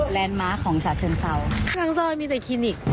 โรคศัตริย์เด็ก